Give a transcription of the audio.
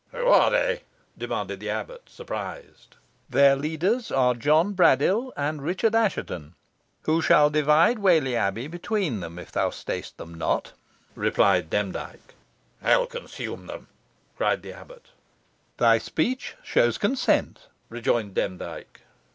"Who are they?" demanded the abbot, surprised. "Their leaders are John Braddyll and Richard Assheton, who shall divide Whalley Abbey between them, if thou stayest them not," replied Demdike. "Hell consume them!" cried the abbot. "Thy speech shows consent," rejoined Demdike.